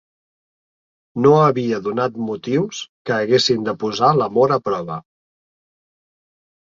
No havia donat motius que haguessin de posar l'amor a prova